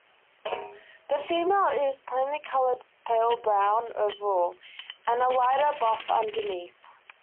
The female is plainly coloured-pale brown overall, and a lighter buff underneath.